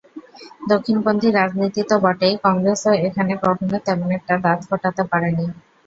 দক্ষিণপন্থী রাজনীতি তো বটেই, কংগ্রেসও এখানে কখনো তেমন একটা দাঁত ফোটাতে পারেনি।